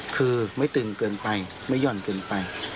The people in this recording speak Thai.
คือไม่ตึงเกินไปไม่หย่อนเกินไป